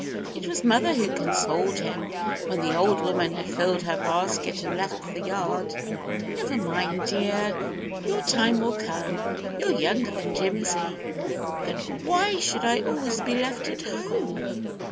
It was mother who consoled him when the old woman had filled her basket and left the yard. "Never mind, dear, your time will come. You're younger than Jimsy." "But why should I always be left at home?"